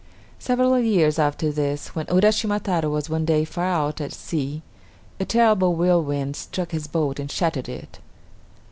Several years after this, when Uraschima Taro was one day far out at sea, a terrible whirlwind struck his boat and shattered it.